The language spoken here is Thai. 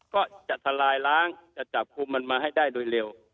ก็จะทลายล้างจะจับกลุ่มมันมาให้ได้โดยเร็ว